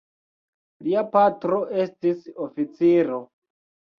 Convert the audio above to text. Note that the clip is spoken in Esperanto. Lia patro estis oficiro.